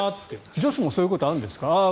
女子もそういうことあるんですか？